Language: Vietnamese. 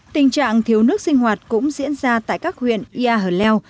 tình trạng thiếu nước sinh hoạt cũng diễn ra tại các huyện ia hờ leo